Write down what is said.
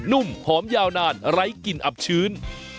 ุ่มหอมยาวนานไร้กลิ่นอับชื้น